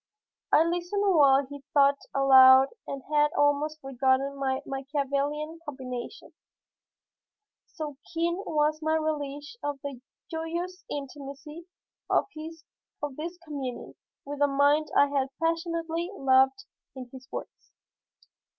I listened while he thought aloud and had almost forgotten my Machiavellian combination, so keen was my relish of the joyous intimacy of this communion with a mind I had passionately loved in his works.